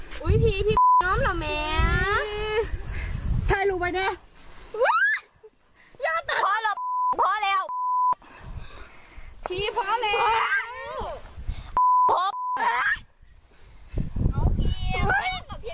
พี่น้องก็ย้อนแบบเนี้ย